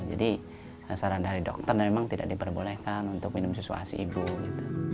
jadi saran dari dokter memang tidak diperbolehkan untuk minum susu asibu gitu